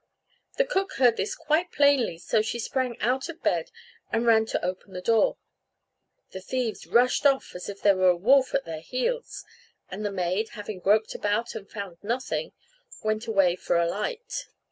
The cook heard this quite plainly, so she sprang out of bed and ran to open the door. The thieves rushed off as if a wolf were at their heels; and the maid, having groped about and found nothing, went away for a light.